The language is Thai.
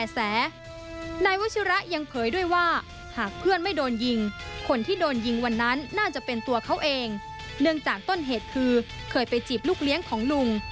ซึ่งเหตุคือเคยไปจีบลูกเลี้ยงของลุง